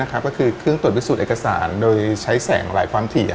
ก็คือเครื่องตรวจพิสูจน์เอกสารโดยใช้แสงหลายความถี่